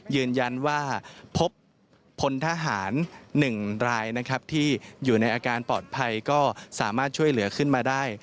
ยืนยันว่าพบพลทหาร๑รายนะครับที่อยู่ในอาการปลอดภัยก็สามารถช่วยเหลือขึ้นมาได้